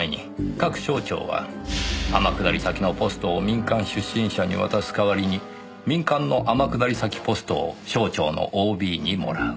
各省庁は天下り先のポストを民間出身者に渡す代わりに民間の天下り先ポストを省庁のＯＢにもらう。